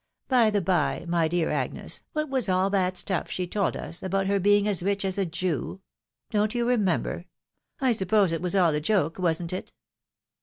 By the by, my dear Agnes, what was all that stuff she told us, about her being as rich as a Jew ? Don't you remember ? I suppose it was all a jok^, wasn't it